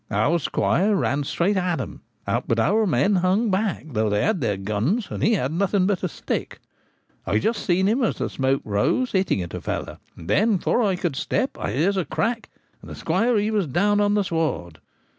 Our squire ran straight at 'em ; but our men hung back, though they had their guns and he had nothing but a sjfcick. I just seen him> as the smoke rose, A Cowardly Blow. 195 hitting at a fellow ; and then, before I could step, I hears a crack, and the squire he was down on the sward.